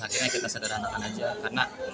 akhirnya kita sederhanakan aja